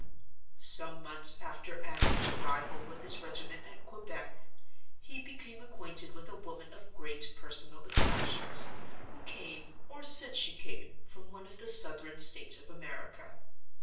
"Some months after Andrew's arrival with his regiment at Quebec, he became acquainted with a woman of great personal attractions, who came, or said she came, from one of the Southern States of America.